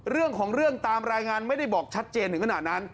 เรื่องของเรื่องตามรายงานไม่ได้บอกชัดเจนถึงขนาดนั้น